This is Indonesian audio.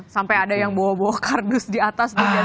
sampai ada yang bawa bawa kardus di atas